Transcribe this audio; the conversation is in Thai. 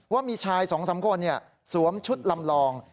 ว่ามีชาย๒๓คนสวมชุดลำลอง